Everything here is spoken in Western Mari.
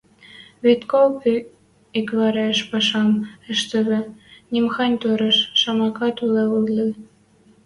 Вет кок и иквӓреш пӓшӓм ӹштевӹ, нимахань тореш шамакат уке ыльы...